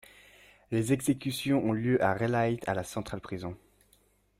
Les exécutions ont lieu à Raleigh à la Central Prison.